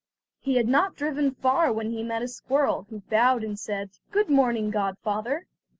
He had not driven far when he met a squirrel, who bowed and said: "Good morning, godfather!